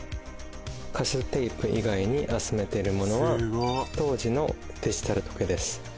カセットテープ以外に集めてるものは当時のデジタル時計です